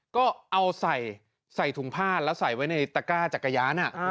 ก็เอาใส่ถุงผ้าแล้วใส่ไว้ในตะก้าจักรยาน